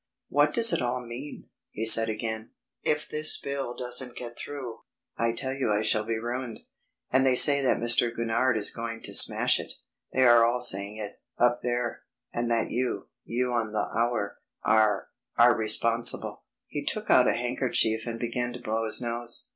"What does it all mean?" he said again. "If this bill doesn't get through, I tell you I shall be ruined. And they say that Mr. Gurnard is going to smash it. They are all saying it, up there; and that you you on the Hour ... are ... are responsible." He took out a handkerchief and began to blow his nose.